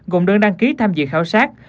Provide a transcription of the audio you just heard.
gồm đơn đăng ký tham dự khảo sát